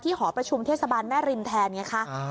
หอประชุมเทศบาลแม่ริมแทนไงคะ